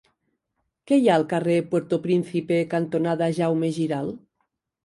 Què hi ha al carrer Puerto Príncipe cantonada Jaume Giralt?